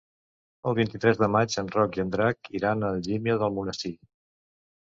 El vint-i-tres de maig en Roc i en Drac iran a Algímia d'Almonesir.